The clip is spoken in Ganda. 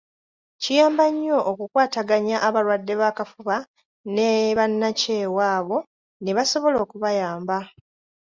Kiyamba nnyo okukwataganya abalwadde b’akafuba ne bannakyewa abo ne basobola okubayamba.